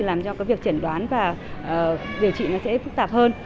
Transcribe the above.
làm cho cái việc chẩn đoán và điều trị nó sẽ phức tạp hơn